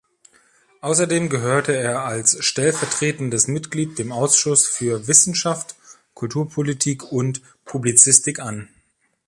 Außerdem gehörte er als stellvertretendes Mitglied dem Ausschuss für Wissenschaft, Kulturpolitik und Publizistik an.